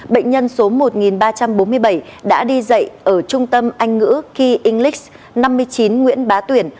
bệnh nhân số một ba trăm bốn mươi bảy đã đi dạy ở trung tâm anh ngữ kia english năm mươi chín nguyễn bá tuyển